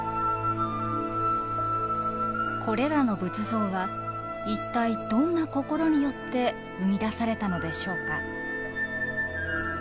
これらの仏像は一体どんな心によって生み出されたのでしょうか。